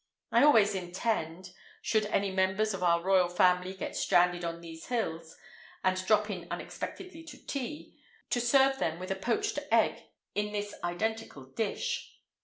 I always intend—should any members of our Royal Family get stranded on these hills, and drop in unexpectedly to tea—to serve them with a poached egg in this identical dish.